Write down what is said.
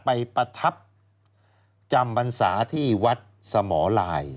ประทับจำบรรษาที่วัดสมลาย